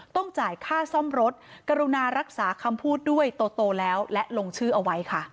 ต้องจ่ายค่าซ่อมรถกรุณารักษาคำพูดด้วยโตแล้วและลงชื่อเอาไว้ค่ะ